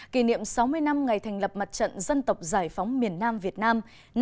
kỷ niệm sáu mươi năm ngày thành lập mặt trận dân tộc giải phóng miền nam việt nam